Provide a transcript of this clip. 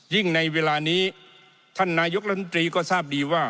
ยิ่งในเวลานี้ท่านนายกละนีตรีก็ทราบดีว่า